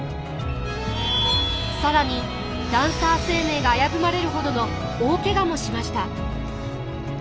更にダンサー生命が危ぶまれるほどの大けがもしました。